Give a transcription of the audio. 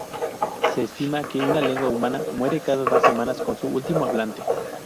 Se estima que una lengua humana muere cada dos semanas con su último hablante.